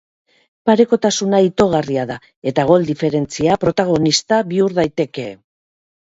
Parekotasuna itogarria da eta gol diferentzia protagonista bihur daiteke.